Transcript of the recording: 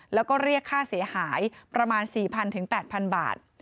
แล้วก็เรียกค่าเสียหายประมาณ๔๐๐๘๐๐บาท